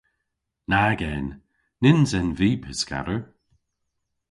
Nag en. Nyns en vy pyskador.